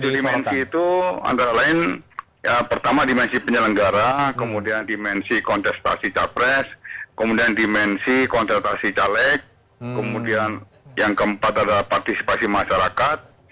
tujuh dimensi itu antara lain pertama dimensi penyelenggara kemudian dimensi kontestasi capres kemudian dimensi kontestasi caleg kemudian yang keempat adalah partisipasi masyarakat